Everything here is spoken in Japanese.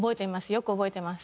よく覚えてます。